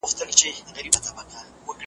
نه په داد به څوك رسېږي د خوارانو .